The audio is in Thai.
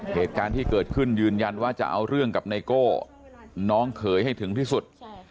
เหตุการณ์ที่เกิดขึ้นยืนยันว่าจะเอาเรื่องกับไนโก้น้องเขยให้ถึงที่สุด